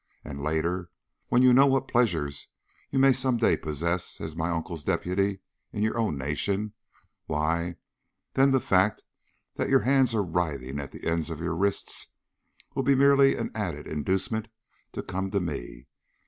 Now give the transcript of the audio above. And later, when you know what pleasures you may some day possess as my uncle's deputy in your own nation, why, then the fact that your hands are writhing at the ends of your wrists will be merely an added inducement to come to me.